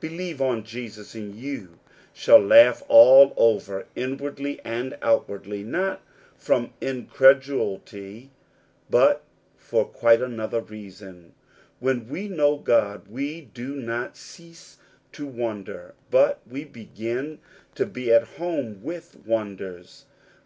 Believe on Jesus, and you shall laugh all over, inwardly and outwardly, not from incredulity, but for quite another reason. When we know God we do not cease to wonder, but we begin to be at home with wonders.